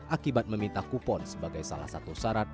akibat meminta kupon sebagai salah satu syarat